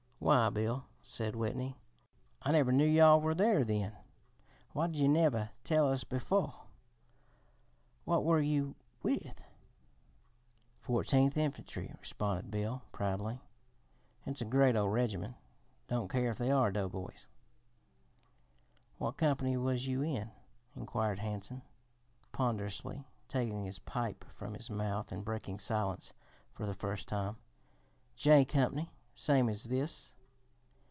"Why, Bill," said Whitney, "I never knew yo'all were there then. Why did yo' never tell us befo'? What were yo' with?" "Fourteenth Infantry," responded Bill proudly. "It's a great ol' regiment don't care if they are doughboys." "What company was you in?" inquired Hansen, ponderously taking his pipe from his mouth and breaking silence for the first time. "J Company, same as this."